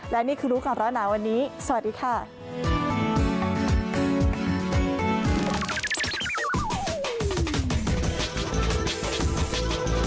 และนี่คือรู้กันแล้วนะวันนี้สวัสดีค่ะ